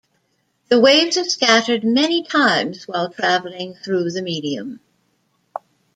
The waves are scattered many times while traveling through the medium.